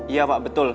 iya pak betul